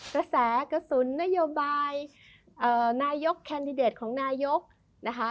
กระแสกระสุนนโยบายนายกแคนดิเดตของนายกนะคะ